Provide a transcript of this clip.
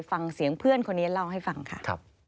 ฟังเสียงเพื่อนคนนี้เล่าให้ฟังค่ะ